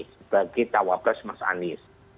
sebagai cawapres mas anies